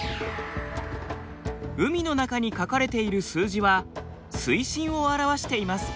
海の中に書かれている数字は水深を表しています。